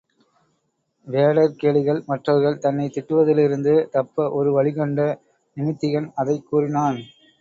வேடர் கேடுகள் மற்றவர்கள் தன்னைத் திட்டுவதிலிருந்து தப்ப ஒரு வழி கண்ட நிமித்திகன், அதைக் கூறினான்.